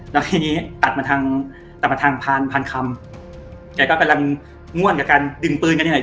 แล้วทีนี้ตัดมาทางตัดมาทางพานพานคำแกก็กำลังง่วนกับการดึงปืนกันเนี่ย